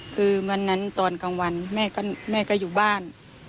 คือวันนั้นตอนกลางวันแม่ก็อยู่บ้าน